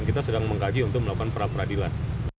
kita sedang mengkaji untuk melakukan pra peradilan